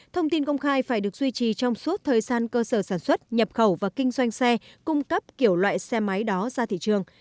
thông tin công khai phải được duy trì trong suốt thời gian cơ sở sản xuất nhập khẩu và kinh doanh xe cung cấp kiểu loại xe máy đó ra thị trường